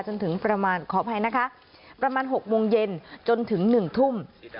จนถึงประมาณขออภัยนะคะประมาณ๖โมงเย็นจนถึง๑ทุ่ม